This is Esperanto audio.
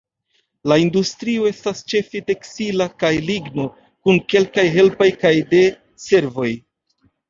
La industrio estas ĉefe tekstila kaj ligno, kun kelkaj helpaj kaj de servoj.